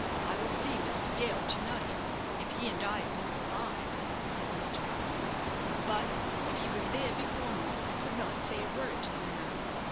"I will see Mr. Dale to night, if he and I are both alive," said Mr. Larkspur; "but if he was there before me I could not say a word to him now.